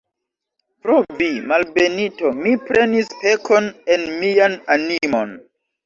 Pro vi, malbenito, mi prenis pekon en mian animon!